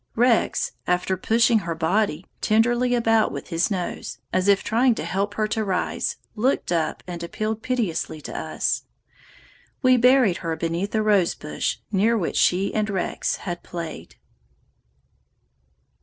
Rex, after pushing her body tenderly about with his nose, as if trying to help her to rise, looked up and appealed piteously to us. We buried her beneath the rosebush near which she and Rex had played."